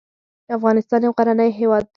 افغانستان یو غرنی هېواد دې .